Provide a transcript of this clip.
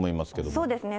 そうですね。